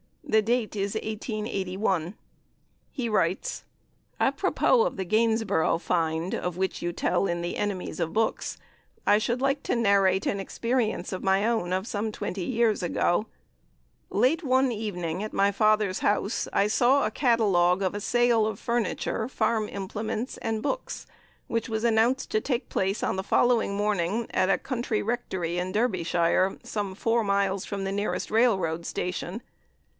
The date is 1881. He writes: "Apropos of the Gainsborough 'find,' of which you tell in 'The Enemies of Books,' I should like to narrate an experience of my own, of some twenty years ago: "Late one evening, at my father's house, I saw a catalogue of a sale of furniture, farm implements and books, which was announced to take place on the following morning at a country rectory in Derbyshire, some four miles from the nearest railway station.